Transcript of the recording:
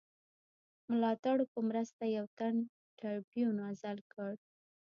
ملاتړو په مرسته یو تن ټربیون عزل کړ.